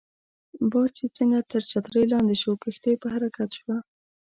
باد چې څنګه تر چترۍ لاندې شو، کښتۍ په حرکت شوه.